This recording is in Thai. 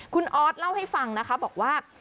คุณออสเล่าให้ฟังนะคะ